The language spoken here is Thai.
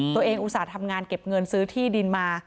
อุตส่าห์ทำงานเก็บเงินซื้อที่ดินมา